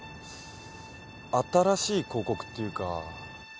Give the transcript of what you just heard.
新しい広告っていうか。